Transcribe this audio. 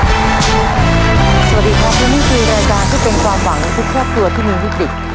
สวัสดีครับและนี่คือรายการที่เป็นความหวังของทุกครอบครัวที่มีวิกฤต